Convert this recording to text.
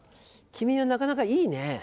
君なかなかいいねぇ。